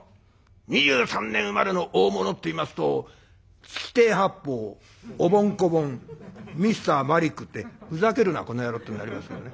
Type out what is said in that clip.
２３年生まれの大物っていいますと月亭八方おぼん・こぼんＭｒ．マリックってふざけるなこの野郎ってなりますけどね。